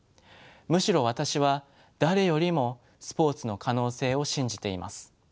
むしろ私は誰よりもスポーツの可能性を信じています。